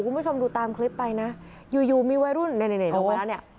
คุณผู้ชมดูตามคลิปไปนะอยู่อยู่มีวัยรุ่นลงไปแล้วเนี่ย